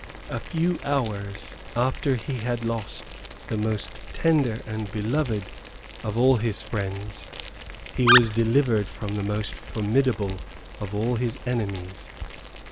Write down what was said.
A few hours after he had lost the most tender and beloved of all his friends, he was delivered from the most formidable of all his enemies.